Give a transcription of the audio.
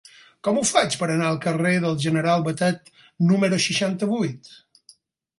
Com ho faig per anar al carrer del General Batet número seixanta-vuit?